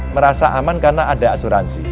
merasa aman karena ada asuransi